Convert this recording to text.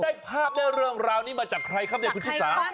ไปเล่าได้ภาพด้วยเรื่องราวนี้มาจากใครครับจะคุณทุกสาว